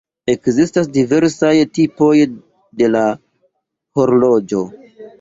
Ekzistas diversaj tipoj de la horloĝo.